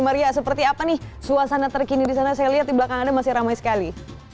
maria seperti apa nih suasana terkini di sana saya lihat di belakang anda masih ramai sekali